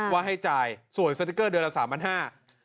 ว่าให้จ่ายสวยสติ๊กเกอร์เดือนละสามพันห้า